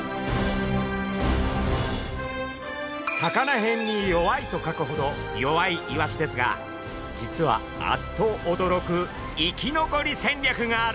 魚へんに「弱い」と書くほど弱いイワシですが実はあっとおどろく生き残り戦略があるんです。